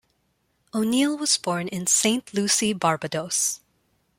O'Neal was born in Saint Lucy, Barbados.